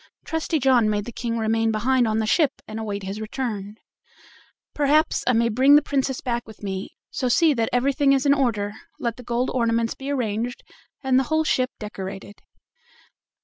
Trusty John made the King remain behind on the ship and await his return. "Perhaps," he said, "I may bring the Princess back with me, so see that everything is in order; let the gold ornaments be arranged and the whole ship decorated."